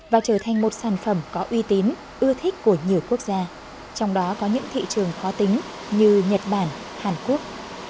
và trở thành một sản phẩm có uy tín ưa thích của nhiều quốc gia trong đó có những thị trường khó tính như nhật bản hàn quốc